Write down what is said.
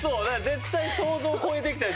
絶対想像を超えてきたでしょ